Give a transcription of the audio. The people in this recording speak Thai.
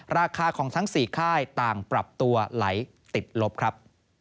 ราคาของทั้ง๔ค่ายต่างปรับตัวไหลติดลบครับ